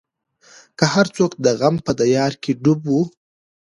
هر څوک د غم په دریا کې ډوب وو.